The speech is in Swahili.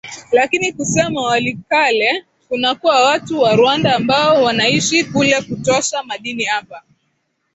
lakini kusema walikale kunakuwa watu wa rwanda ambao wanaishi kule kutosha madini hapana